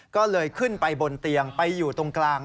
ก็เลยขึ้นไปบนเตียงไปอยู่ตรงกลาง